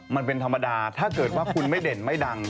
มันเป็นธรรมดาถ้าเกิดว่าคุณไม่เด่นไม่ดัง